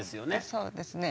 そうですね。